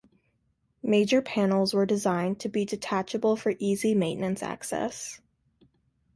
Major panels were designed to be detachable for easy maintenance access.